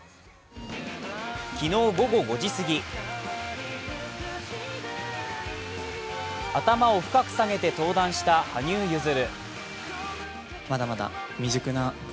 昨日午後５時すぎ頭を深く下げて登壇した羽生結弦。